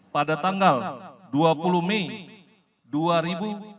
pada tanggal dua puluh mei dua ribu dua puluh